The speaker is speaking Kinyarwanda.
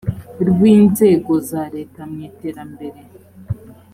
rw inzego za leta mu iterambere